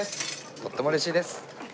とっても嬉しいです。